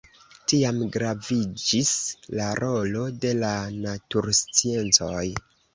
Tiam graviĝis la rolo de la natursciencoj.